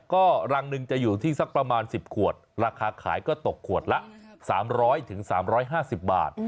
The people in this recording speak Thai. ก็รังหนึ่งจะอยู่ที่สักประมาณ๑๐ขวดราคาขายก็ตกขวดละ๓๐๐๓๕๐บาท